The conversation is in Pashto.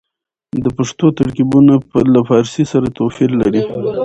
د پښتو ترکيبونه له فارسي سره توپير لري.